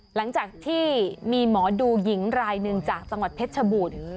หลังจากที่มีหมอดูหญิงรายหนึ่งจากจังหวัดเพชรชบูรณ์